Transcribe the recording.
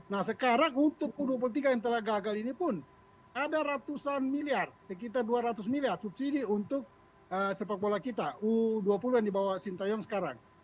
nah sekarang untuk u dua puluh tiga yang telah gagal ini pun ada ratusan miliar sekitar dua ratus miliar subsidi untuk sepak bola kita u dua puluh yang dibawa sintayong sekarang